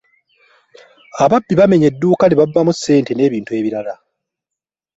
Ababbi bamenye edduuka ne babbamu sente n'ebintu ebirala.